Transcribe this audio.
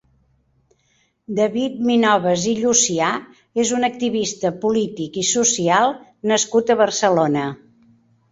David Minoves i Llucià és un activista polític i social nascut a Barcelona.